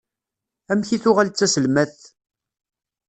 Amek i tuɣal d taselmadt?